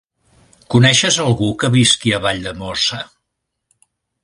Coneixes algú que visqui a Valldemossa?